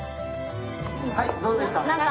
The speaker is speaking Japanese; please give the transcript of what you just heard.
はいどうでした？